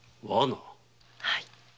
はい。